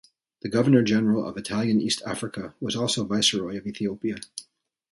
The Governor-General of Italian East Africa was also Viceroy of Ethiopia.